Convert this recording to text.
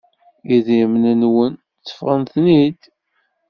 idrimen-nwen, ṭṭfeɣ-ten-id.